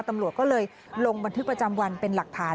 ตำรวจก็เลยลงบันทึกประจำวันเป็นหลักฐาน